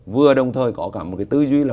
vừa đồng thời có cả một cái tư duy là